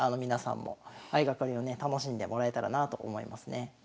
皆さんも相掛かりをね楽しんでもらえたらなと思いますね。